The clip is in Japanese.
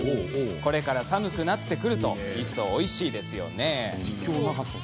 これから寒くなってくるといっそうおいしくなります。